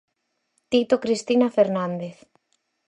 Tito Cristina Fernández.